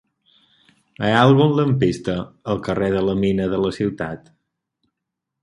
Hi ha algun lampista al carrer de la Mina de la Ciutat?